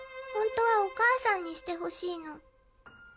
ホントはお母さんにしてほしいの。